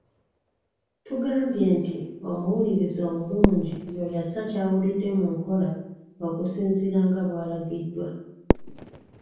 Tugambyenti omuwuliriza omulungi y’oyo assa ky’awulidde mu nkola okusinziira nga bw’alagiddwa.